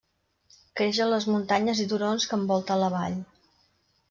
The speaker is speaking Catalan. Creix en les muntanyes i turons que envolten la vall.